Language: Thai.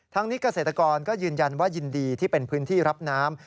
นี้เกษตรกรก็ยืนยันว่ายินดีที่เป็นพื้นที่รับน้ำ